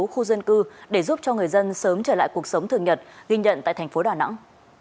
khu dân cư để giúp cho người dân sớm trở lại cuộc sống thường nhật ghi nhận tại thành phố đà nẵng